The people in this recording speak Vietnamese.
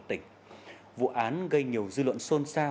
thằng kia nói